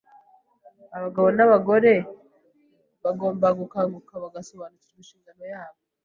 Abagabo n’abagore bagomba gukanguka bagasobanukirwa inshingano yabo